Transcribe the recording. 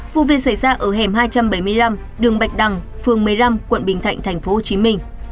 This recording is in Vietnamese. vụ việc xảy ra ở hẻm hai trăm bảy mươi năm đường bạch đằng phường một mươi năm quận bình thạnh tp hcm